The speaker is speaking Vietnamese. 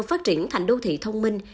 phát triển thành đô thị thông minh